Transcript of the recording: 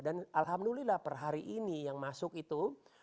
dan alhamdulillah per hari ini yang masuk itu